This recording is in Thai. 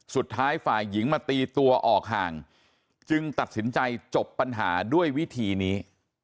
สุดท้ายฝ่ายหญิงมาตีตัวออกห่างจึงตัดสินใจจบปัญหาด้วยวิธีนี้